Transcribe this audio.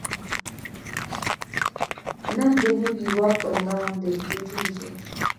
نن د نوي واک په وړاندې ټیټېږي.